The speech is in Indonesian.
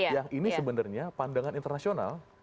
yang ini sebenarnya pandangan internasional